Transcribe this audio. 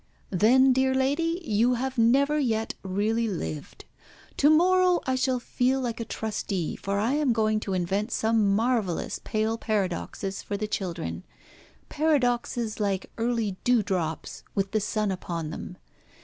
"Then, dear lady, you have never yet really lived. To morrow I shall feel like a trustee, for I am going to invent some marvellous pale paradoxes for the children paradoxes like early dewdrops with the sun upon them.